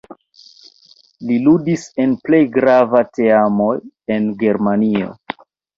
Li ludis en plej grava teamoj en Germanio.